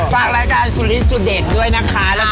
ฝากแรกการสุดลิสต์สุดเดทด้วยนะคะ